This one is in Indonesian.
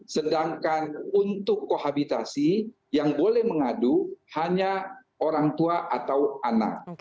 sedangkan untuk kohabitasi yang boleh mengadu hanya orang tua atau anak